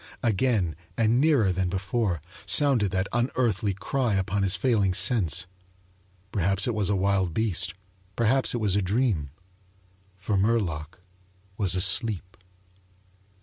Again, and nearer than before, sounded that unearthly cry upon his failing sense. Perhaps it was a wild beast; perhaps it was a dream. For Murlock was asleep.